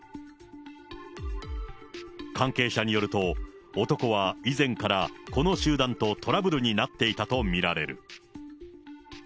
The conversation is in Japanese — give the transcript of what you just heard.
関係者によると、男は以前からこの集団とトラブルになっていたと見られる。